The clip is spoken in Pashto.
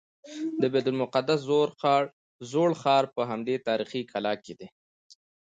د بیت المقدس زوړ ښار په همدې تاریخي کلا کې دی.